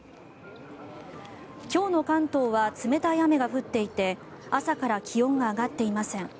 今日の関東は冷たい雨が降っていて朝から気温が上がっていません。